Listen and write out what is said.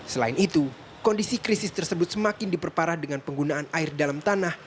selain itu kondisi krisis tersebut semakin diperparah dengan penggunaan air dalam tanah